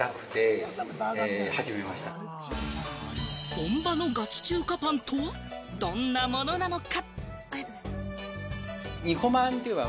本場のガチ中華パンとは、どんなものなのか？